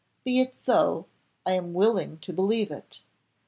Be it so I am willing to believe it.